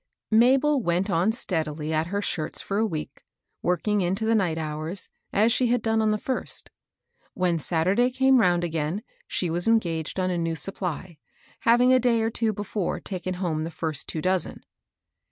Mabel went on steadily at her shirts for a week, working into the night hours, as she had done on the first. When Saturday came round again she was engaged on a new supply, having a day or two before taken home the first two dozen.